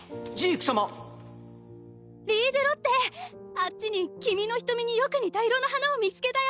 あっちに君の瞳によく似た色の花を見つけたよ！